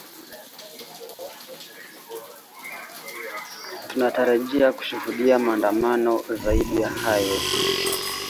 tunatarajia kushuhudia maandamano zaidi ya hayo